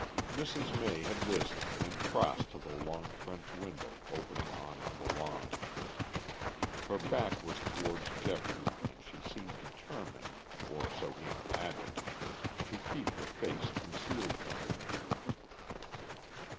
Mrs. May had risen and crossed to the long French window opening on to the lawn. Her back was towards Geoffrey and she seemed determined, or so he imagined, to keep her face concealed from him.